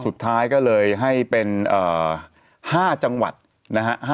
สุดท้ายก็เลยให้เป็น๕จังหวัดนะฮะ